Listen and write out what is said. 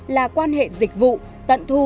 là quan hệ dịch vụ tận thu